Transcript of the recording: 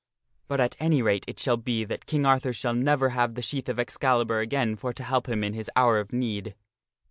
But at any rate it shall be that King Arthur shall never have the sheath of Excalibur again for to help him in his hour of need."